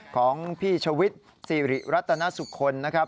ของพี่ชวิตสิริรัตนสุขลนะครับ